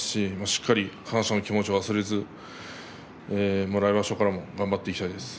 しっかり感謝の気持ちを忘れず来場所からも頑張っていきたいです。